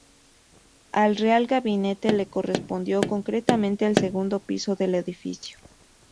Al Real Gabinete le correspondió concretamente el segundo piso del edificio.